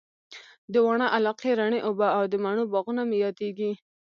د واڼه علاقې رڼې اوبه او د مڼو باغونه مي ياديږي